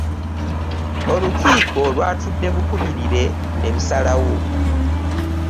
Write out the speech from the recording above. Olukiiiko lwatudde bukubirire ne lusalawo.